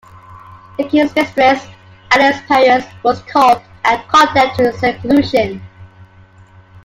The king's mistress, Alice Perrers, was called and condemned to seclusion.